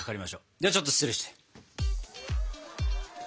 ではちょっと失礼して。